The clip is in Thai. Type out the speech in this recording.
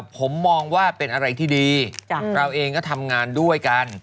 ผมมองว่าเป็นอะไรที่ดีเราเองก็ทำงานด้วยกัน